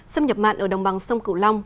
xâm nhập mặn ở đồng bằng sông cửu long